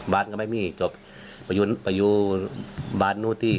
ก็ไม่มีจบไปอยู่บ้านนู้นที่